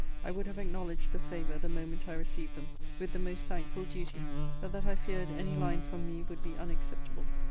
I would have acknowledged the favour the moment I received them, with the most thankful duty, but that I feared any line from me would be unacceptable.